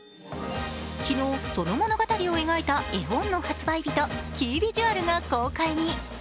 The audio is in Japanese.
昨日、その物語を描いた日本の発売日とキービジュアルが公開に。